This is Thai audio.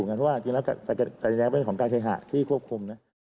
เพราะว่าจริงแล้วจริงแล้วก็เป็นของการเคหาที่ควบคุม